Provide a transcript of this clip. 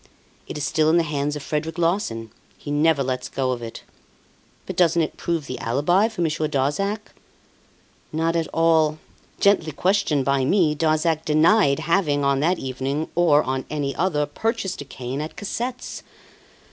"It is still in the hands of Frederic Larsan. He never lets go of it." "But doesn't it prove the alibi for Monsieur Darzac?" "Not at all. Gently questioned by me, Darzac denied having, on that evening, or on any other, purchased a cane at Cassette's.